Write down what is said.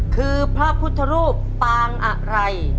คือพระพุทธรูปปางอะไร